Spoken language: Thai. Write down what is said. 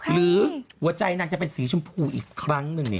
หรือหัวใจนางจะเป็นสีชมพูอีกครั้งหนึ่ง